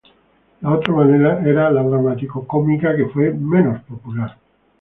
La otra manera era la dramático-cómica, que fue menos popular.